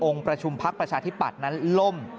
ประชุมพักประชาธิปัตย์นั้นล่ม